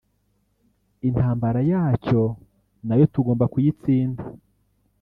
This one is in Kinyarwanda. intambara yacyo nayo tugomba kuyitsinda“